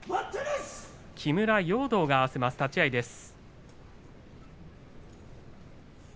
木村容堂が合わせます立ち合いです。